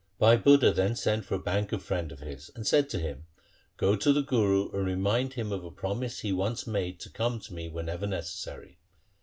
Bhai Budha then sent for a banker friend of his and said to him, ' Go to the Guru and remind him of a promise he once made to come to me whenever necessary.'